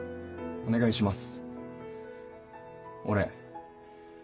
お願いします。